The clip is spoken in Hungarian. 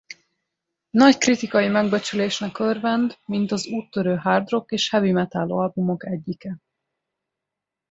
Nagy kritikai megbecsülésnek örvend mint az úttörő hard rock és heavy metal albumok egyike.